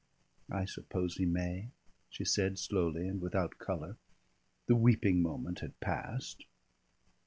"I suppose he may," she said slowly and without colour. The weeping moment had passed.